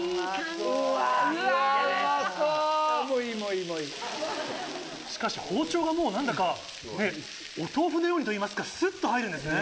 ・もういいもういい・しかし包丁がもう何だかお豆腐のようにといいますかスッと入るんですね。